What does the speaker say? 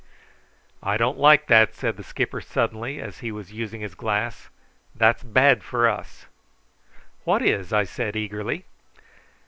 "I don't like that," said the skipper suddenly, as he was using his glass. "That's bad for us." "What is?" I said eagerly.